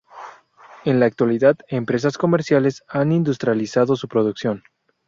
En la actualidad empresas comerciales han industrializado su producción.